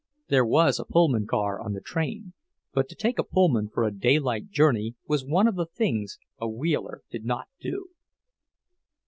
There was a Pullman car on the train, but to take a Pullman for a daylight journey was one of the things a Wheeler did not do.